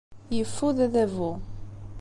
Yeffud adabu.